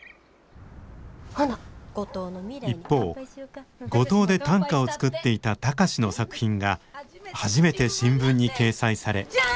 一方五島で短歌を作っていた貴司の作品が初めて新聞に掲載され。